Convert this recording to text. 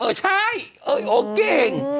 เออใช่เออเก่ง